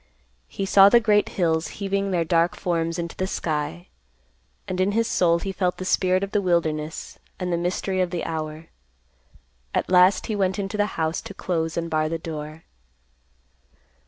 He saw the great hills heaving their dark forms into the sky, and in his soul he felt the spirit of the wilderness and the mystery of the hour. At last he went into the house to close and bar the door.